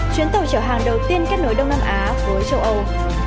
chuyến tàu chở hàng đầu tiên kết nối đông nam á với châu âu